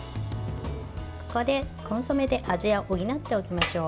ここでコンソメで味を補っておきましょう。